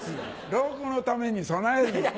老後のために備えるの。